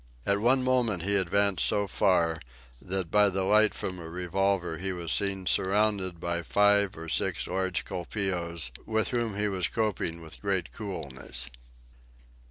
At one moment he advanced so far, that by the light from a revolver he was seen surrounded by five or six large colpeos, with whom he was coping with great coolness.